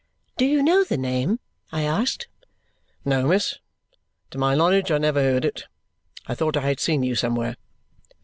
"Do you know the name?" I asked. "No, miss. To my knowledge I never heard it. I thought I had seen you somewhere."